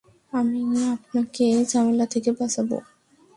আমি আপনাকে ঝামেলা থেকে বাঁচাবো।